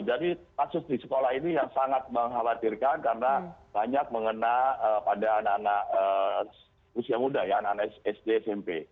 jadi kasus di sekolah ini yang sangat mengkhawatirkan karena banyak mengena pada anak anak usia muda ya anak sd smp